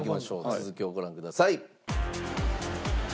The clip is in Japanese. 続きをご覧ください。